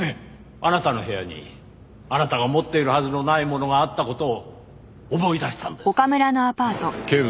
あなたの部屋にあなたが持っているはずのないものがあった事を思い出したんですよ。